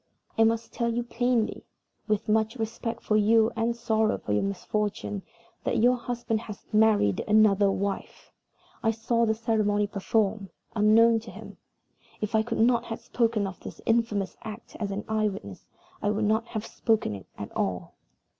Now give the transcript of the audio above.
I must tell you plainly, with much respect for you and sorrow for your misfortune, that your husband has married another wife. I saw the ceremony performed, unknown to him. If I could not have spoken of this infamous act as an eye witness, I would not have spoken of it at all.